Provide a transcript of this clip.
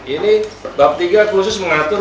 ini bab tiga khusus mengatur